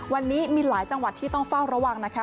วันนี้มีหลายจังหวัดที่ต้องเฝ้าระวังนะคะ